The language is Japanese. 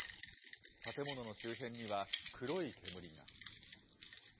建物の周辺には黒い煙が。